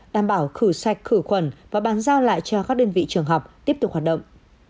đảm bảo khử sạch khử khuẩn và bàn giao lại cho các đơn vị trường học tiếp tục hoạt động